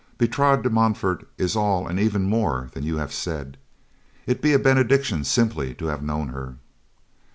"Bertrade de Montfort is all and even more than you have said; it be a benediction simply to have known her."